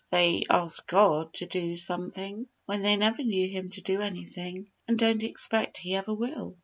They ask God to do something, when they never knew Him to do anything, and don't expect He ever will.